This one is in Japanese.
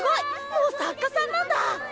もう作家さんなんだ！